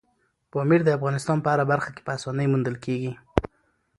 پامیر د افغانستان په هره برخه کې په اسانۍ موندل کېږي.